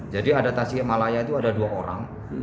jadi ada tasikmalaya itu ada dua orang